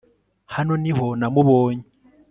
hano niho namubonye